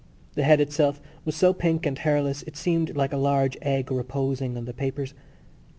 The head itself was so pink and hairless it seemed like a large egg reposing on the papers.